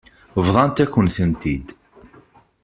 Bḍant-akent-tent-id.